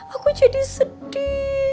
aku jadi sedih